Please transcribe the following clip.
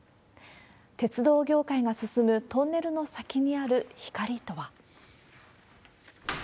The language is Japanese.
鉄道業界が進むトンネルの先にある光とは。